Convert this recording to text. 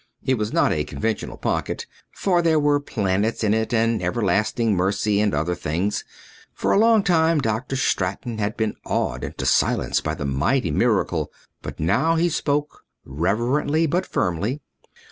It was not a conventional pocket, for there were planets in it and ever lasting mercy and other things. For a long time Dr. Straton had been awed into silence by the mighty miracle, but now he spoke, reverently but firmly.